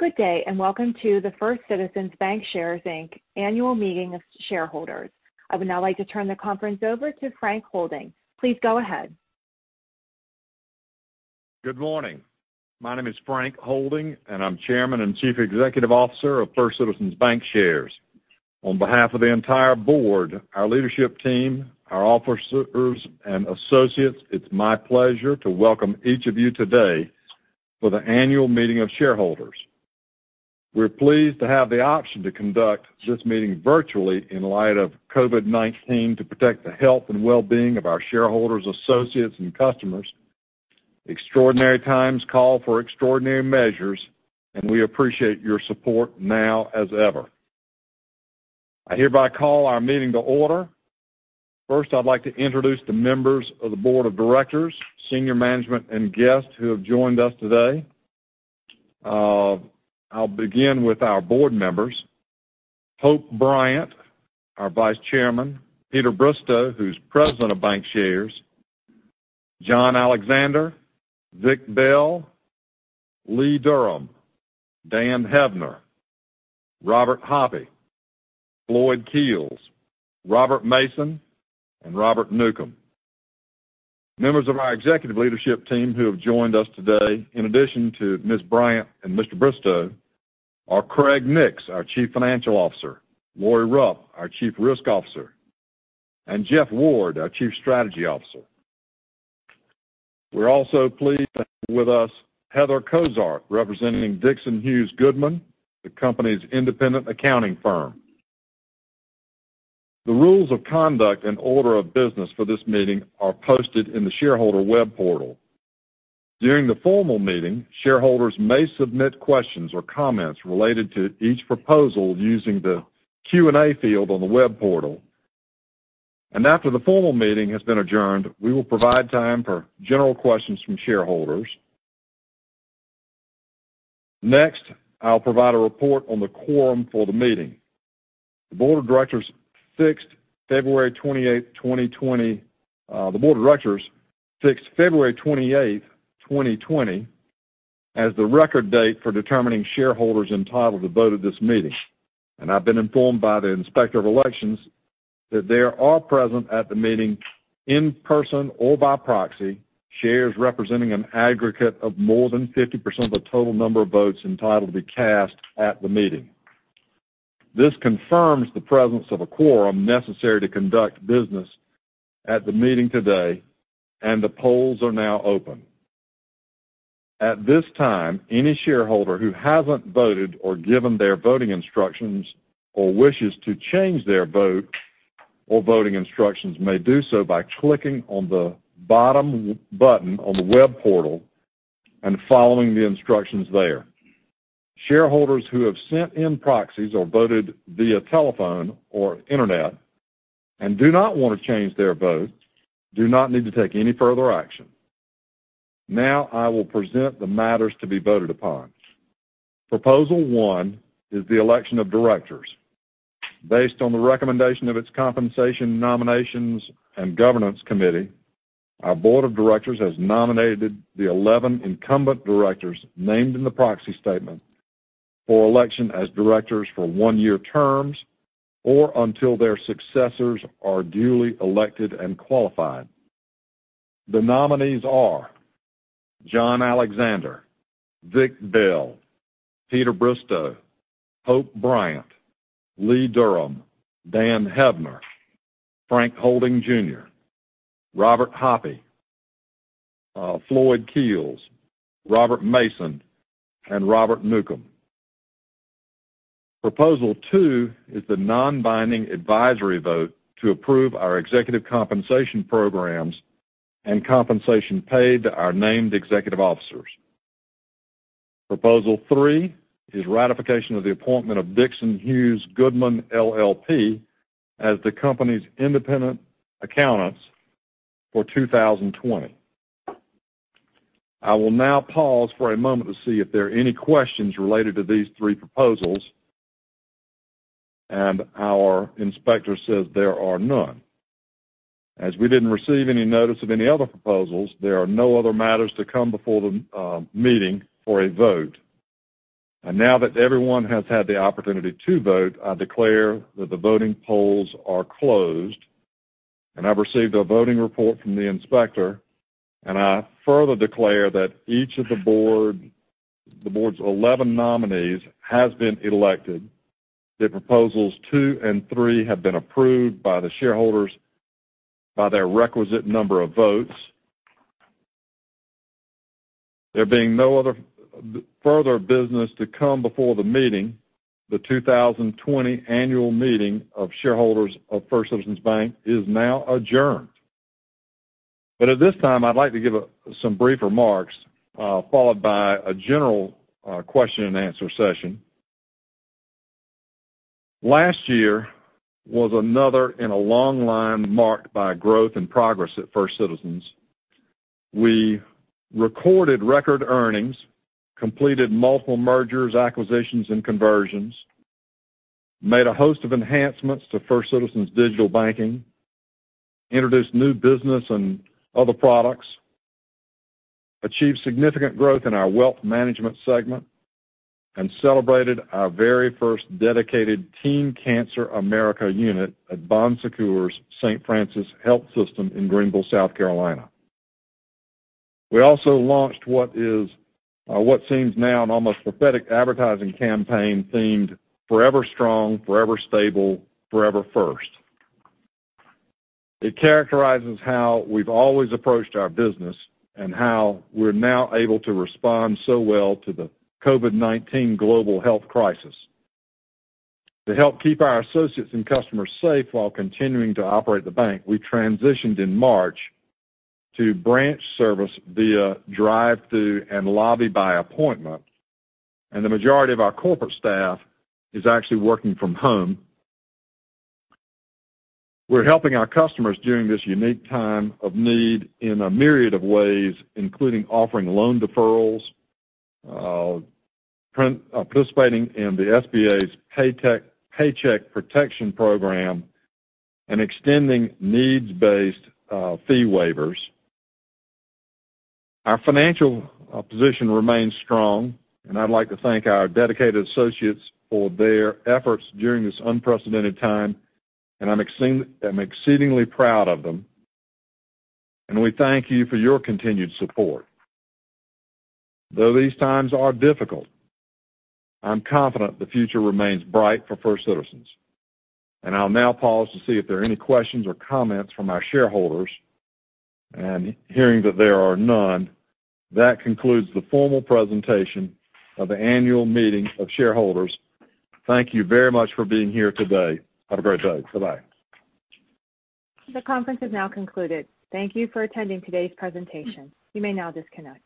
Good day, and welcome to the First Citizens BancShares, Inc. Annual Meeting of Shareholders. I would now like to turn the conference over to Frank Holding. Please go ahead. Good morning. My name is Frank Holding, and I'm Chairman and Chief Executive Officer of First Citizens BancShares. On behalf of the entire board, our leadership team, our officers, and associates, it's my pleasure to welcome each of you today for the annual meeting of shareholders. We're pleased to have the option to conduct this meeting virtually in light of COVID-19 to protect the health and well-being of our shareholders, associates, and customers. Extraordinary times call for extraordinary measures, and we appreciate your support now as ever. I hereby call our meeting to order. First, I'd like to introduce the members of the board of directors, senior management, and guests who have joined us today. I'll begin with our board members: Hope Bryant, our Vice Chairman; Peter Bristow, who's President of BancShares; John Alexander; Vic Bell; Lee Durham; Dan Heavner; Robert Hoppe; Floyd Keels; Robert Mason; and Robert Newcomb. Members of our executive leadership team who have joined us today, in addition to Ms. Bryant and Mr. Bristow, are Craig Nix, our Chief Financial Officer, Lorie Rupp, our Chief Risk Officer, and Jeff Ward, our Chief Strategy Officer. We're also pleased to have with us Heather Cozart, representing Dixon Hughes Goodman, the company's independent accounting firm. The rules of conduct and order of business for this meeting are posted in the shareholder web portal. During the formal meeting, shareholders may submit questions or comments related to each proposal using the Q&A field on the web portal. And after the formal meeting has been adjourned, we will provide time for general questions from shareholders. Next, I'll provide a report on the quorum for the meeting. The board of directors fixed February 28, 2020, as the record date for determining shareholders entitled to vote at this meeting. I've been informed by the inspector of elections that there are present at the meeting in person or by proxy shares representing an aggregate of more than 50% of the total number of votes entitled to be cast at the meeting. This confirms the presence of a quorum necessary to conduct business at the meeting today, and the polls are now open. At this time, any shareholder who hasn't voted or given their voting instructions or wishes to change their vote or voting instructions may do so by clicking on the bottom button on the web portal and following the instructions there. Shareholders who have sent in proxies or voted via telephone or internet and do not want to change their vote do not need to take any further action. Now I will present the matters to be voted upon. Proposal one is the election of directors. Based on the recommendation of its Compensation, Nominations, and Governance Committee, our board of directors has nominated the 11 incumbent directors named in the proxy statement for election as directors for one-year terms or until their successors are duly elected and qualified. The nominees are John Alexander, Vic Bell, Peter Bristow, Hope Bryant, Lee Durham, Dan Heavner, Frank Holding Jr., Robert Hoppe, Floyd Keels, Robert Mason, and Robert Newcomb. Proposal two is the non-binding advisory vote to approve our executive compensation programs and compensation paid to our named executive officers. Proposal three is ratification of the appointment of Dixon Hughes Goodman, LLP, as the company's independent accountants for 2020. I will now pause for a moment to see if there are any questions related to these three proposals, and our inspector says there are none. As we didn't receive any notice of any other proposals, there are no other matters to come before the meeting for a vote. Now that everyone has had the opportunity to vote, I declare that the voting polls are closed, and I've received a voting report from the inspector, and I further declare that each of the board's 11 nominees has been elected. The proposals two and three have been approved by the shareholders by their requisite number of votes. There being no other further business to come before the meeting, the 2020 annual meeting of shareholders of First Citizens BancShares is now adjourned. At this time, I'd like to give some brief remarks followed by a general question-and-answer session. Last year was another in a long line marked by growth and progress at First Citizens. We recorded record earnings, completed multiple mergers, acquisitions, and conversions, made a host of enhancements to First Citizens' digital banking, introduced new business and other products, achieved significant growth in our wealth management segment, and celebrated our very first dedicated Teen Cancer America unit at Bon Secours St. Francis Health System in Greenville, South Carolina. We also launched what seems now an almost prophetic advertising campaign themed, "Forever Strong, Forever Stable, Forever First." It characterizes how we've always approached our business and how we're now able to respond so well to the COVID-19 global health crisis. To help keep our associates and customers safe while continuing to operate the bank, we transitioned in March to branch service via drive-through and lobby by appointment, and the majority of our corporate staff is actually working from home. We're helping our customers during this unique time of need in a myriad of ways, including offering loan deferrals, participating in the SBA's Paycheck Protection Program, and extending needs-based fee waivers. Our financial position remains strong, and I'd like to thank our dedicated associates for their efforts during this unprecedented time, and I'm exceedingly proud of them. We thank you for your continued support. Though these times are difficult, I'm confident the future remains bright for First Citizens. I'll now pause to see if there are any questions or comments from our shareholders, and hearing that there are none, that concludes the formal presentation of the Annual Meeting of Shareholders. Thank you very much for being here today. Have a great day. Bye-bye. The conference is now concluded. Thank you for attending today's presentation. You may now disconnect.